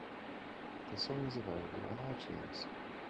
The song is available on iTunes.